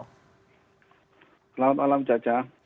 selamat malam caca